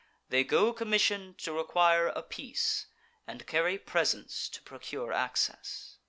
They go commission'd to require a peace, And carry presents to procure access.